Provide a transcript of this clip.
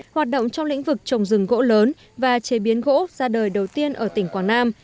hoạt động trong lĩnh vực trồng rừng gỗ lớn và chế biến gỗ ra đời đầu tiên ở tỉnh quảng nam